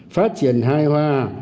phát triển hài hòa